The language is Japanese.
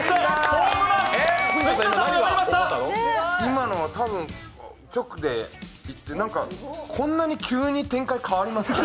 今の多分、直で行ってこんなに急に展開、変わりますか？